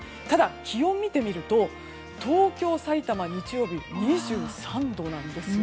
ただ、気温を見ると東京、さいたま日曜日２３度です。